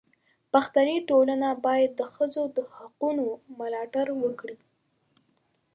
پښتني ټولنه باید د ښځو د حقونو ملاتړ وکړي.